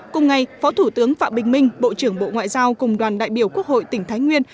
cùng ngày phó thủ tướng phạm bình minh bộ trưởng bộ ngoại giao cùng đoàn đại biểu quốc hội tỉnh thái nguyên